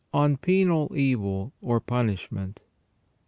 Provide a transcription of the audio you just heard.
ON PENAL EVIL OR PUNISHMENT.